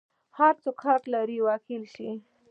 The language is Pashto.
هر څوک حق لري وکیل ولري.